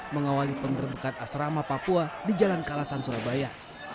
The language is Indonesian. mengawali penggerbekan asrama papua di jalan kalasan surabaya